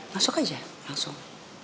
masuk aja langsung